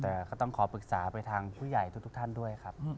แต่ก็ต้องขอปรึกษาไปทางผู้ใหญ่ทุกท่านด้วยครับ